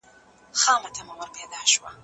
ويل کيږي چي د ځان وژنې کچه بدليږي.